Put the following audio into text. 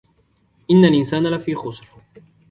إن الإنسان لفي خسر